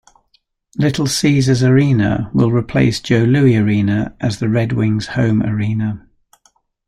Little Caesars Arena will replace Joe Louis Arena as the Red Wings home arena.